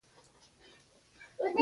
د کیسو دا ګډ سېسټم موږ متحد ساتي.